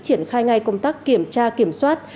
triển khai ngay công tác kiểm tra kiểm soát